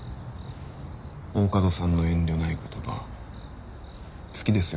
大加戸さんの遠慮ない言葉好きですよ